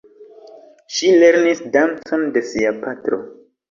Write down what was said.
Ŝi lernis dancon de sia patro.